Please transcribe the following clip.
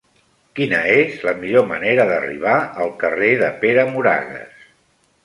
Quina és la millor manera d'arribar al carrer de Pere Moragues?